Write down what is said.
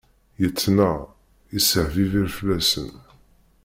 Yettnaɣ, yesseḥbibir fell-asen.